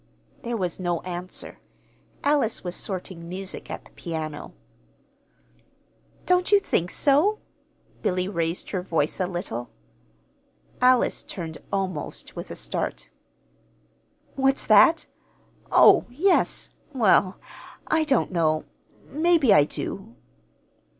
There was no answer. Alice was sorting music at the piano. "Don't you think so?" Billy raised her voice a little. Alice turned almost with a start. "What's that? Oh, yes. Well, I don't know; maybe I do."